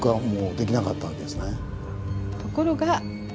ところが。